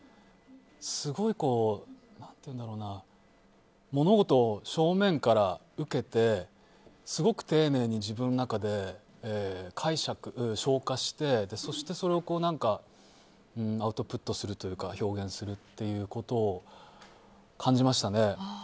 すごい物事を正面から受けてすごく丁寧に自分の中で解釈、消化してそしてそれをアウトプットするというか表現するっていうことを感じましたね。